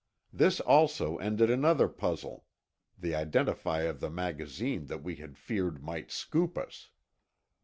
This also ended another puzzle—the identity of the magazine that we had feared might scoop us.